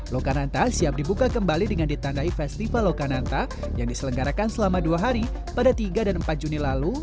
lokananta siap dibuka kembali dengan ditandai festival lokananta yang diselenggarakan selama dua hari pada tiga dan empat juni lalu